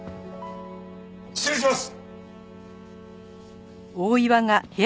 失礼します！